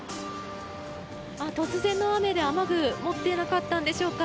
突然の雨で雨具持っていなかったんでしょうか。